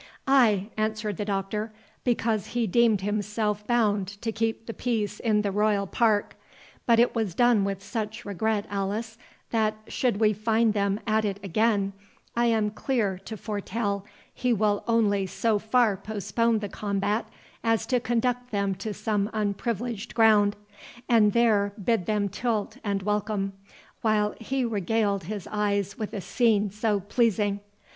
"Ay," answered the Doctor, "because he deemed himself bound to keep the peace in the Royal Park; but it was done with such regret, Alice, that, should he find them at it again, I am clear to foretell he will only so far postpone the combat as to conduct them to some unprivileged ground, and there bid them tilt and welcome, while he regaled his eyes with a scene so pleasing.